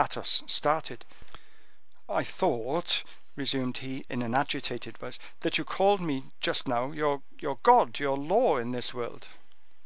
Athos started. "I thought," resumed he, in an agitated voice, "that you called my just now your god, your law in this world."